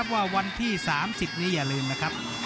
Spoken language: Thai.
ว่าวันที่๓๐นี้อย่าลืมนะครับ